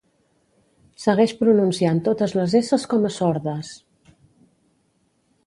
Segueix pronunciant totes les esses com a sordes